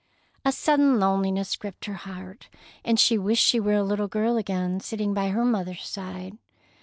A sudden loneliness gripped her heart, and she wished she were a little girl again, sitting by her mother's side.